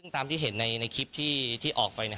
ตามที่เห็นในคลิปที่ออกไป